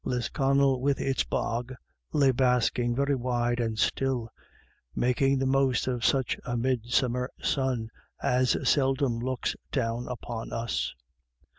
Lisconnel with its bog lay basking very wide and still, making the most of such a midsummer sun as seldom looks down upon us.